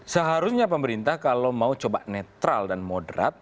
seharusnya pemerintah kalau mau coba netral dan moderat